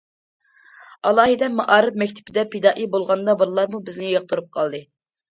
ئالاھىدە مائارىپ مەكتىپىدە پىدائىي بولغاندا، بالىلارمۇ بىزنى ياقتۇرۇپ قالدى.